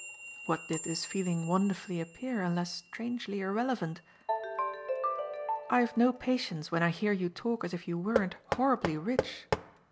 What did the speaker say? What did this feeling wonderfully appear unless strangely irrelevant? "I've no patience when I hear you talk as if you weren't horribly rich."